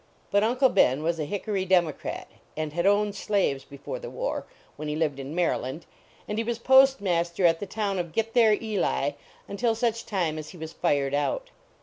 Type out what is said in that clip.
But Uncle Ben was a hickory Democrat, and had owned slaves be fore the war, when he lived in Maryland, and he was postmaster at the town of Gctthcrc Eli until such time as he was fired out.